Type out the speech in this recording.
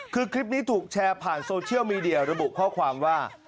คือคลิปนี้ถูกแชร์ผ่านโซเชียลมีเดียระบุข้อความว่า